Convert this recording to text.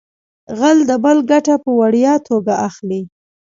غل د بل ګټه په وړیا توګه اخلي